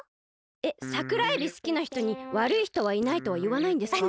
えっサクラエビすきなひとにわるいひとはいないとはいわないんですか？